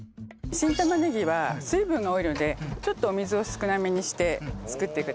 新玉ねぎは水分が多いのでちょっとお水を少なめにして作ってください。